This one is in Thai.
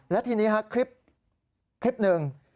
และทีนี้คลิปหนึ่ง